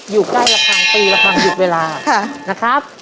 อยู่ใกล้ละครั้งตีละครั้งหยุดเวลานะครับ